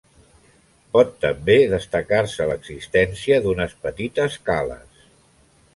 Pot també destacar-se l'existència d'unes petites cales.